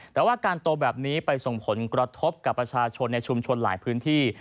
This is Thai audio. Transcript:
แต่ว่าการโตแบบนี้ไปส่งผลกระทบกับประชาชนในชุมชนหลายพื้นที่